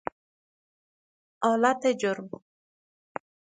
آلت جرم